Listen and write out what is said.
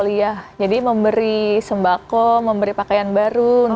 kalau ada yang mau berkongsi di sekolah saya pengen berkongsi